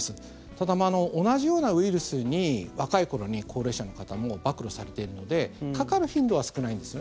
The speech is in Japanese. ただ、同じようなウイルスに若い頃に高齢者の方も暴露されているのでかかる頻度は少ないんです。